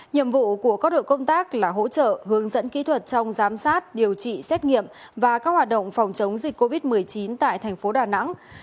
nhiệm vụ của các đội công tác là hỗ trợ hướng dẫn kỹ thuật trong giám sát điều trị xét nghiệm và các hoạt động phòng chống dịch covid một mươi chín tại thành phố đà nẵng